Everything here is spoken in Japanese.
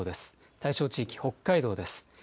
対象地域、北海道です。